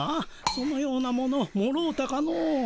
そのようなものもろうたかの？